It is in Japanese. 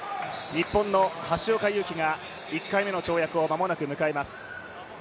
日本の橋岡優輝が１回目の跳躍を間もなく迎えます。